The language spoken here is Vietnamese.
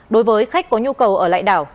đối với khách có nhu cầu ở lại đảo